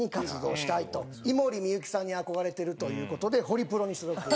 井森美幸さんに憧れてるという事でホリプロに所属。